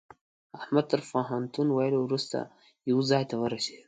احمد تر پوهنتون ويلو روسته يوه ځای ته ورسېدل.